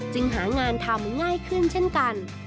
หางานทำง่ายขึ้นเช่นกัน